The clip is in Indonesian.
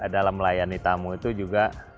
dalam melayani tamu itu juga